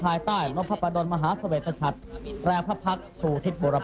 จากนั้นเวลา๑๑นาฬิกาเศรษฐ์พระธินั่งไพรศาลพักศิลป์